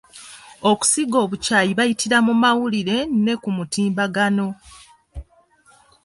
Okusiga obukyayi bayitira mu mawulire ne ku mutimbagano.